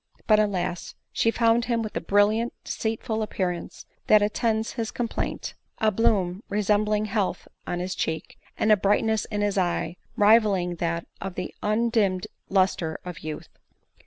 But, alas ! she found him with the brilliant deceitful appearance that attends his complaint— a bloom resembling health on his cheek, and a brightness in his eye rivalling that of the undimmed lustre of youth.